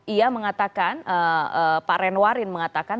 ia mengatakan pak renwarin mengatakan